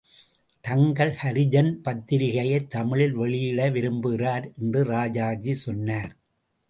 தங்கள் ஹரிஜன் பத்திரிகையைத் தமிழில் வெளியிட விரும்புகிறார். என்று ராஜாஜி சொன்னார்.